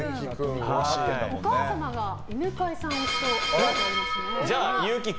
お母様が犬飼さん推しと書いてあります。